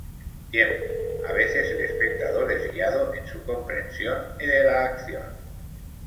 Tiempo: A veces el espectador es guiado en su comprensión de la acción.